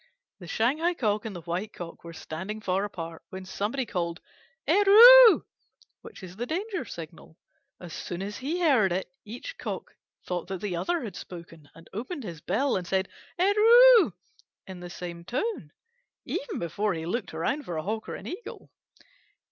The Shanghai Cock and the White Cock were standing far apart when somebody called "Er ru u u u u!" which is the danger signal. As soon as he heard it, each Cock thought that the other had spoken, and opened his bill and said, "Er ru u u u u!" in the same tone, even before he looked around for a Hawk or an Eagle.